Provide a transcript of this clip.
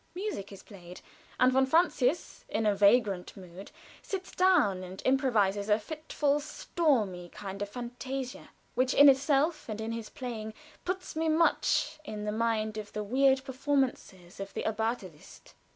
Music is played, and von Francius, in a vagrant mood, sits down and improvises a fitful, stormy kind of fantasia, which in itself and in his playing puts me much in mind of the weird performances of the Abbate Liszt.